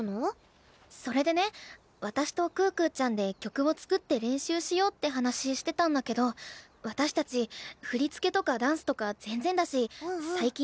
それでね私と可可ちゃんで曲を作って練習しようって話してたんだけど私たち振り付けとかダンスとか全然だし。